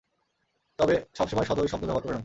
তবে সবসময় সদয় শব্দ ব্যবহার করে নয়।